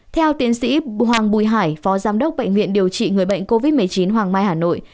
theo tiến sĩ hoàng bùi hải phó giám đốc bệnh viện điều trị người bệnh covid một mươi chín hoàng mai hà nội